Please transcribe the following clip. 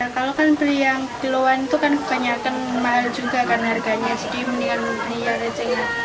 kalau kan beli yang kiloan itu kan kebanyakan mahal juga kan harganya sedikit aja